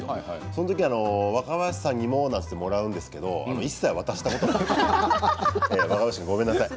その時、若林さんにもなんて言ってもらうんですけれど一切、渡したことがない。